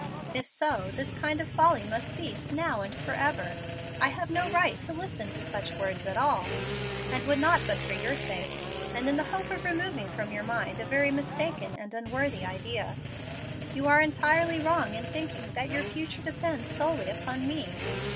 If so, this kind of folly must cease now and forever. I have no right to listen to such words at all, and would not but for your sake, and in the hope of removing from your mind a very mistaken and unworthy idea. You are entirely wrong in thinking that your future depends solely upon me.